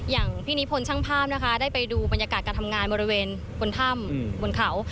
อย่างพี่นิพนธ์ช่างภาพนะคะได้ไปดูบรรยากาศการทำงานบริเวณบนถ้ำบนเขา